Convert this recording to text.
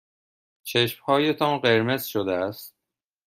چشمهایتان قرمز شده است.